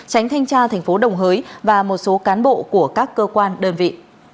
tránh thanh tra tp đồng hới và một số cán bộ của các cơ quan đơn vị